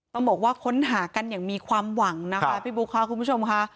ต้องบอกว่าค้นหากันอย่างมีความหวังนะคะพี่บุ๊คค่ะคุณผู้ชมค่ะ